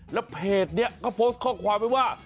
และเพจนี้ก็โพสต์ข้อความมาว่า